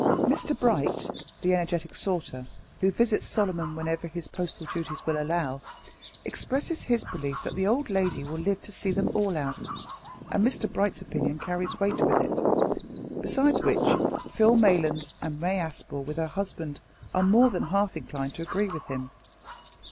Mr Bright, the energetic sorter, who visits Solomon whenever his postal duties will allow, expresses his belief that the old lady will live to see them all out, and Mr Bright's opinion carries weight with it; besides which, Phil Maylands and May Aspel with her husband are more than half inclined to agree with him.